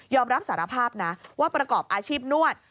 รับสารภาพนะว่าประกอบอาชีพนวด